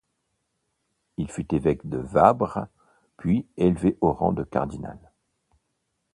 Il fut évêque de Vabres, puis élevé au rang de cardinal.